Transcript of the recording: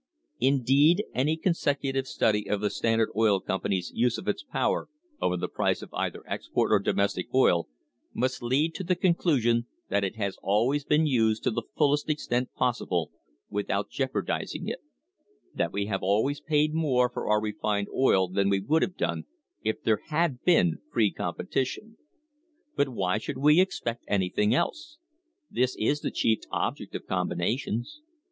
Indeed, any consecutive study of the Standard Oil Com pany's use of its power over the price of either export or domestic oil must lead to the conclusion that it has always been used to the fullest extent possible without jeopardising it; that we have always paid more for our refined oil than we would have done if there had been free competition. But why should we expect anything else? This is the chief object of combinations.